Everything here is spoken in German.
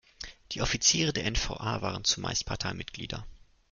Die Offiziere der N-V-A waren zumeist Parteimitglieder.